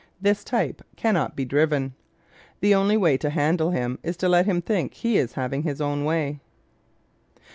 This type can not be driven. The only way to handle him is to let him think he is having his own way.